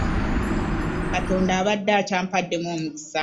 Katonda abadde akyabampaddemu omukisa.